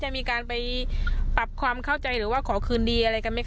มีการไปปรับความเข้าใจหรือว่าขอคืนดีอะไรกันไหมค